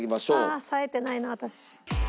ああさえてないな私。